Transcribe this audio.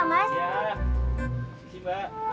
terima kasih mbak